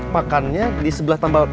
makannya disebelah tempat